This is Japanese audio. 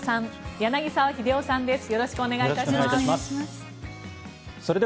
柳澤秀夫さんです。